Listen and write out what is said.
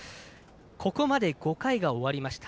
ここまで５回が終わりました。